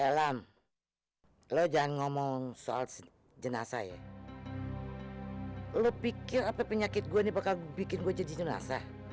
dalam lo jangan ngomong soal jenazah ya lo pikir apa penyakit gue nih bakal bikin gue jadi jenazah